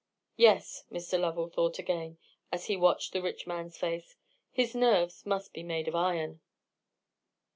"Yes," Mr. Lovell thought again, as he watched the rich man's face, "his nerves must be made of iron."